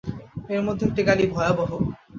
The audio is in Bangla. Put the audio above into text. এর মধ্যে একটি গালি ভয়াবহ।